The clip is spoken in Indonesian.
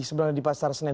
sebenarnya di pasar senen